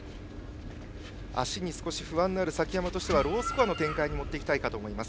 足に不安がある崎山としてはロースコアの展開に持っていきたいかと思います。